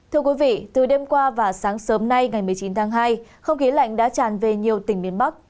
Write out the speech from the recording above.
thưa quý vị từ đêm qua và sáng sớm nay ngày một mươi chín tháng hai không khí lạnh đã tràn về nhiều tỉnh miền bắc